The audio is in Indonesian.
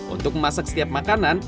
untuk memasak setiap makanan